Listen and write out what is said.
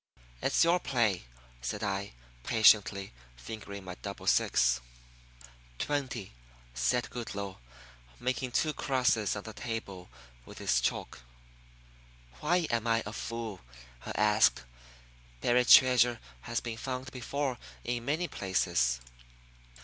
"It's your play," said I, patiently, fingering my double six. "Twenty," said Goodloe, making two crosses on the table with his chalk. "Why am I a fool?" I asked. "Buried treasure has been found before in many places."